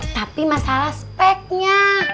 tapi masalah speknya